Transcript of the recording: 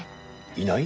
いない？